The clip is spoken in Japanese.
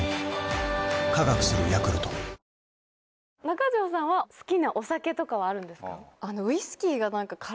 中条さんは好きなお酒とかはあるんですか？